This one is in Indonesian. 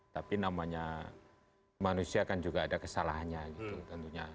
tapi namanya manusia kan juga ada kesalahannya gitu tentunya